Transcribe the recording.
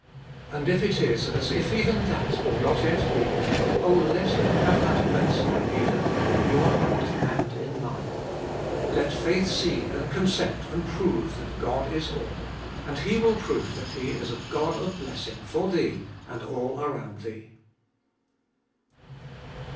And if it is as if even that will not yet be — oh let Him have that place, my reader, in your heart and in mine. Let faith see and consent and prove that God is all, and He will prove that He is a God of blessing for thee and all around thee.